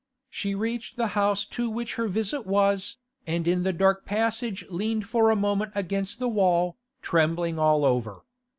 She reached the house to which her visit was, and in the dark passage leaned for a moment against the wall, trembling all over.